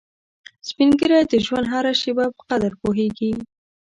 سپین ږیری د ژوند هره شېبه په قدر پوهیږي